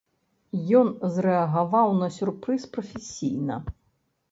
Ён зрэагаваў на сюрпрыз прафесійна.